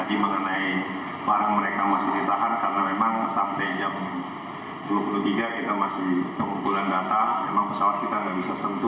tadi mengenai barang mereka masih ditahan karena memang sampai jam dua puluh tiga kita masih pengumpulan data